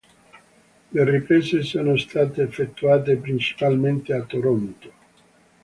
Le riprese sono state effettuate principalmente a Toronto.